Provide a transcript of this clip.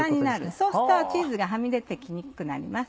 そうするとチーズがはみ出て来にくくなります。